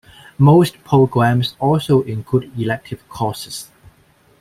Most programs also include elective courses.